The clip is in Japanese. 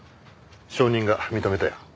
証人が認めたよ。